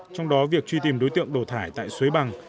trong đó việc truy tìm đối tượng đổ thải tại suối bằng